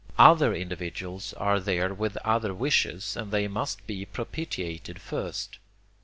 Other individuals are there with other wishes and they must be propitiated first.